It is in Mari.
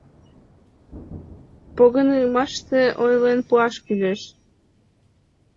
— Погынымаште ойлен пуаш кӱлеш...